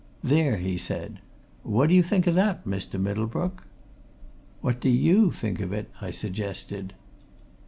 "There!" he said. "What d'you think of that, Mr. Middlebrook?" "What do you think of it?" I suggested.